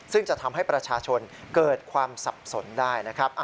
ซึ่งจะทำให้ประชาชนเกิดความสับสนได้นะครับ